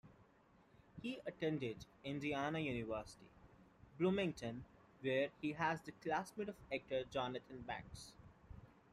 He attended Indiana University, Bloomington, where he was a classmate of actor Jonathan Banks.